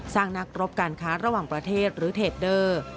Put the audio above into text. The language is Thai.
นักรบการค้าระหว่างประเทศหรือเทดเดอร์